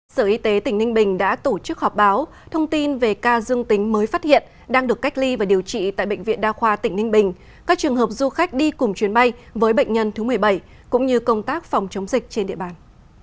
sở y tế tỉnh ninh bình đã tổ chức họp báo thông tin về ca dương tính mới phát hiện đang được cách ly và điều trị tại bệnh viện đa khoa tỉnh ninh bình các trường hợp du khách đi cùng chuyến bay với bệnh nhân thứ một mươi bảy cũng như công tác phòng chống dịch trên địa bàn